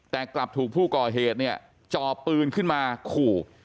แต่กลับถูกผู้ก่อเหตุเนี่ยจ่อปืนขึ้นมาขู่